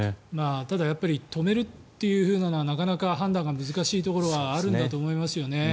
ただ、止めるっていうのはなかなか判断が難しいところはあるんだと思いますよね。